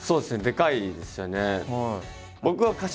でかいですよね。